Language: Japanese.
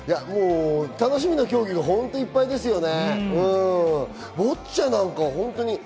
楽しみな競技が本当にいっぱいですよね。